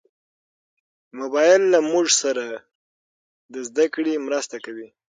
موبایل له موږ سره د زدهکړې مرسته کوي.